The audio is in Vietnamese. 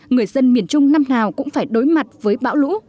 người dân miền trung năm nào cũng phải đối mặt với bão lũ